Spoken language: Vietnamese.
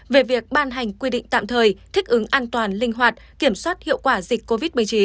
về việc ban hành quy định tạm thời thích ứng an toàn linh hoạt kiểm soát hiệu quả dịch covid một mươi chín